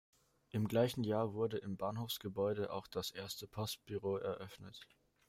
Im gleichen Jahr wurde im Bahnhofsgebäude auch das erste Postbüro eröffnet.